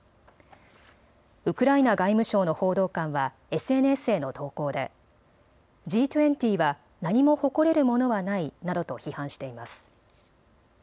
ウクライナ外務省の報道官はＳＮＳへの投稿でＧ２０は何も誇れるものはないなどと批判しています。